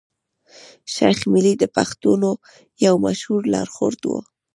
شېخ ملي د پښتنو يو مشهور لار ښود وو.